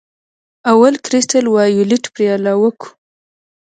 اول کرسټل وایولېټ پرې علاوه کوو.